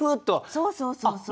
そうそうそうそう。